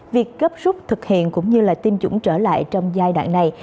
việc cấp rút thực hiện cũng như tiêm chủng trở lại trong giai đoạn này